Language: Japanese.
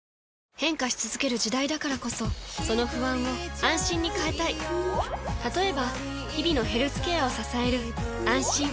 変化し続ける時代だからこそその不安を「あんしん」に変えたい例えば日々のヘルスケアを支える「あんしん」